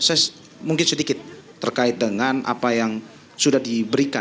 saya mungkin sedikit terkait dengan apa yang sudah diberikan